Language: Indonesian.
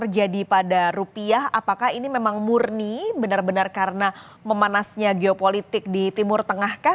jadi pada rupiah apakah ini memang murni benar benar karena memanasnya geopolitik di timur tengah kah